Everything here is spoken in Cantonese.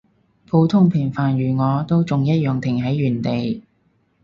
普通平凡如我，都仲一樣停喺原地